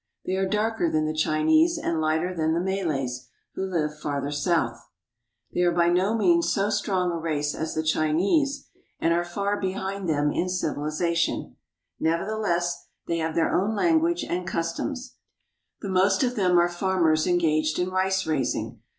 They are darker than the Chinese and lighter than the Malays, who live farther south. 1 82 INDO CHINA They are by no means so strong a race as the Chinese and are far behind them in civiHzation. Nevertheless, they have their own language and customs. The most of them are farmers engaged in rice raising.